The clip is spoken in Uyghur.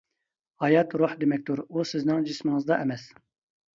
ھايات روھ دېمەكتۇر، ئۇ سىزنىڭ جىسمىڭىزدا ئەمەس.